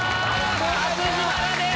初自腹です！